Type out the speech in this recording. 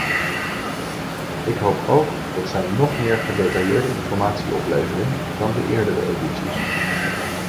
Ik hoop ook dat zij nog meer gedetailleerde informatie opleveren dan de eerdere edities.